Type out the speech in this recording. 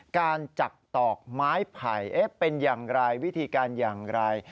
จักตอกไม้ไผ่เป็นอย่างไรวิธีการอย่างไร